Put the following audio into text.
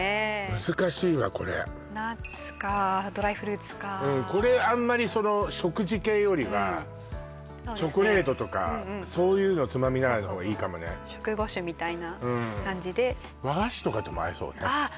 難しいわこれナッツかドライフルーツかうんこれあんまりその食事系よりはチョコレートとかそういうのつまみながらの方がいいかもね食後酒みたいな感じで和菓子とかとも合いそうねああ